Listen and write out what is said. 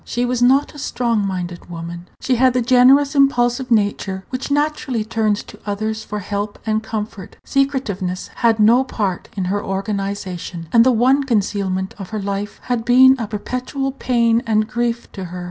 She was not a strong minded woman. She had the generous, impulsive nature which naturally turns to others for help and comfort. Secretiveness had no part in her organization, and the one concealment of her life had been a perpetual pain and grief to her.